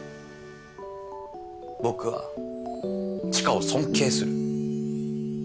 僕は知花を尊敬する。